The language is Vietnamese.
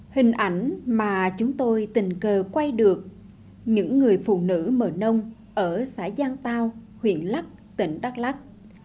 hình ảnh mà chúng tôi tình cờ quay được những người phụ nữ mờ nông ở xã giang tao huyện lắc tỉnh đắk lắc